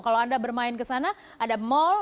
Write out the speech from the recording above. kalau anda bermain ke sana ada mall